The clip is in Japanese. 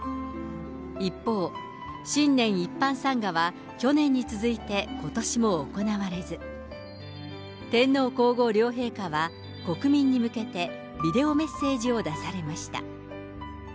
一方、新年一般参賀は去年に続いてことしも行われず、天皇皇后両陛下は、国民に向けてビデオメッセージを出されました。